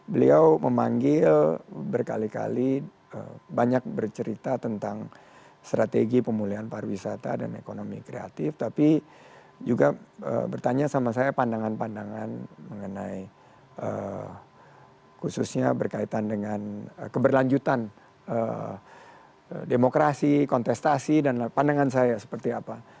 beliau memanggil berkali kali banyak bercerita tentang strategi pemulihan pariwisata dan ekonomi kreatif tapi juga bertanya sama saya pandangan pandangan mengenai khususnya berkaitan dengan keberlanjutan demokrasi kontestasi dan pandangan saya seperti apa